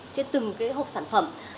trên từng hộp sản phẩm